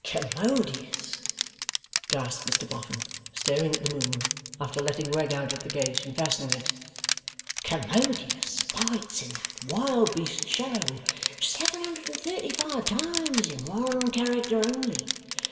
'Commodious,' gasped Mr Boffin, staring at the moon, after letting Wegg out at the gate and fastening it: 'Commodious fights in that wild beast show, seven hundred and thirty five times, in one character only!